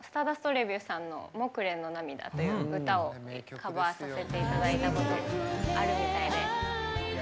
レビューさんの「木蘭の涙」という歌をカバーさせていただいたことがあるみたいで。